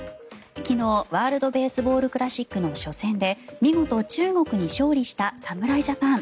昨日、ワールド・ベースボール・クラシックの初戦で見事、中国に勝利した侍ジャパン。